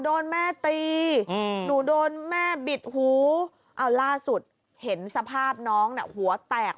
โดนแม่ตีหนูโดนแม่บิดหูเอาล่าสุดเห็นสภาพน้องน่ะหัวแตก